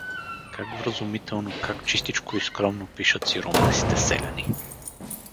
Как вразумително, как чистичко и скромно пишат сиромасите селяни!